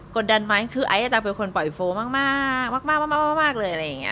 กดดันมั้ยคือไอ้อาจจะเป็นคนปล่อยโฟล์มากเลยอะไรอย่างนี้